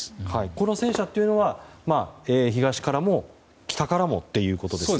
この戦車というのは東からも北からもということですね。